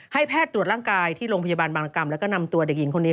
ให้แพทย์ตรวจร่างกายที่โรงพยาบาลบางรกรรมแล้วก็นำตัวเด็กหญิงคนนี้